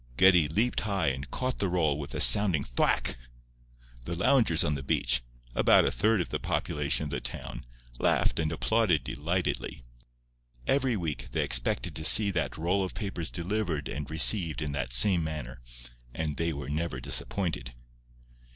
Geddie leaped high and caught the roll with a sounding "thwack." The loungers on the beach—about a third of the population of the town—laughed and applauded delightedly. Every week they expected to see that roll of papers delivered and received in that same manner, and they were never disappointed.